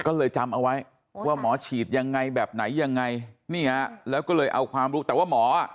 ก็เลยจำเอาไว้ว่าหมอฉีดยังไงแบบไหนยังไงนี่ฮะแล้วก็เลยเอาความรู้แต่ว่าหมออ่ะ